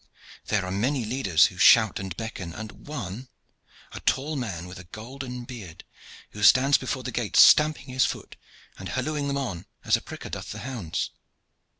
There are many leaders who shout and beckon, and one, a tall man with a golden beard, who stands before the gate stamping his foot and hallooing them on, as a pricker doth the hounds.